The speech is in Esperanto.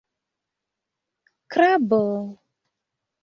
Krabo...